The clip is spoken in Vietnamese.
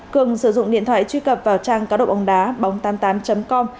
cường sử dụng điện thoại truy cập vào trang cá độ bóng đá bóng tám mươi tám com